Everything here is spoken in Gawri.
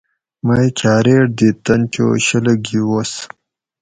مئ کھاریٹ دیت تن چو شلہ گی وس